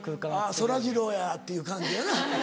そらジローやっていう感じよな。